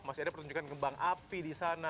masih ada pertunjukan kembang api di sana